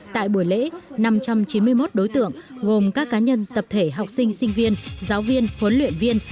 tại buổi lễ năm trăm chín mươi một đối tượng gồm các cá nhân tập thể học sinh sinh viên giáo viên huấn luyện viên